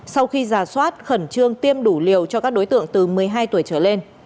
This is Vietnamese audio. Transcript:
sau khi giả soát khẩn trương tiêm đủ liều cho các đối tượng từ một mươi hai tuổi trở lên